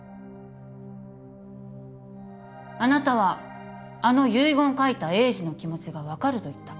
あなたはあの遺言を書いた栄治の気持ちが分かると言った。